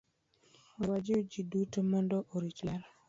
Onego wajiw ji duto mondo orit ler.